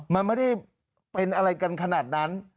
มันไม่ได้เป็นอะไรกันขนาดนั้น